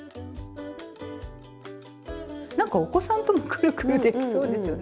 なんかお子さんともくるくるできそうですね。